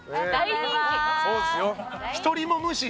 そうですよ。